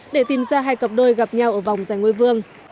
để tìm ra hai cặp đôi gặp nhau ở vòng giành ngôi vương